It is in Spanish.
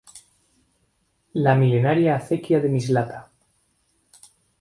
La milenaria Acequia de Mislata.